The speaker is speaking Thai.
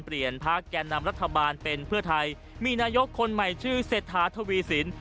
เปลี่ยนภาคแกนำรัฐบาลเป็นเพื่อไทยมีนายกคนใหม่ชื่อเซธาธวีสินทร์